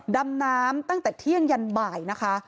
ดำน้ำตั้งแต่เที่ยงยันบ่ายนะคะ